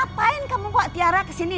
ngapain kamu bawa tiara kesini